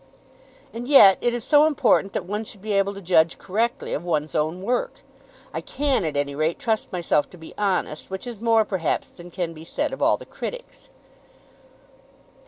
"And yet it is so important that one should be able to judge correctly of one's own work! I can at any rate trust myself to be honest, which is more perhaps than can be said of all the critics."